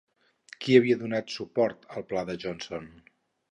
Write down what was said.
Qui havia donat suport al pla de Johnson?